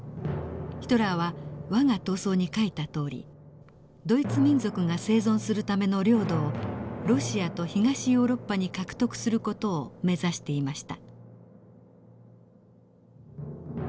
ヒトラーは「わが闘争」に書いたとおりドイツ民族が生存するための領土をロシアと東ヨーロッパに獲得する事を目指していました。